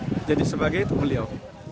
iya jadi sebagai itu beliau